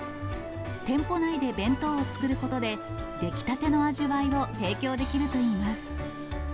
店舗内で弁当を作ることで、出来たての味わいを提供できるといいます。